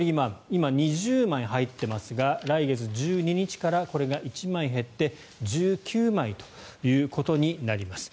今２０枚入っていますが来月１２日からこれが１枚減って１９枚ということになります。